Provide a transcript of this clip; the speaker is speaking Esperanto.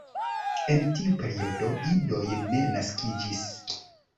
En tiu periodo idoj ne naskiĝis.